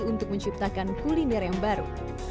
untuk menciptakan kuliner yang baru